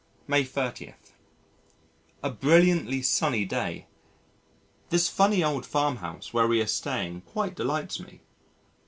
May 30. A brilliantly sunny day. This funny old farm house where we are staying quite delights me.